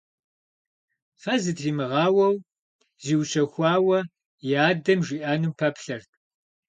Фэ зытримыгъауэу зиущэхуауэ и адэм жиӏэнум пэплъэрт.